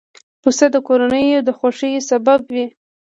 پسه د کورنیو د خوښیو سبب وي.